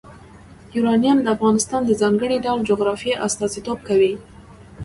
یورانیم د افغانستان د ځانګړي ډول جغرافیه استازیتوب کوي.